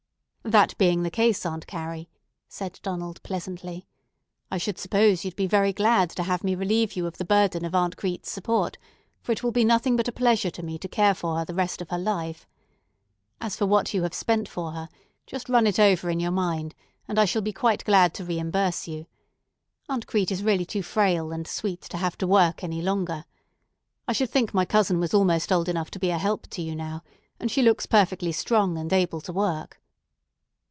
"That being the case, Aunt Carrie," said Donald pleasantly, "I should suppose you'd be very glad to have me relieve you of the burden of Aunt Crete's support, for it will be nothing but a pleasure to me to care for her the rest of her life. As for what you have spent for her, just run it over in your mind, and I shall be quite glad to re imburse you. Aunt Crete is really too frail and sweet to have to work any longer. I should think my cousin was almost old enough to be a help to you now, and she looks perfectly strong and able to work."